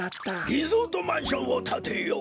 リゾートマンションをたてよう！